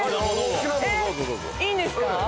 いいんですか？